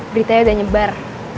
beritanya udah nyebar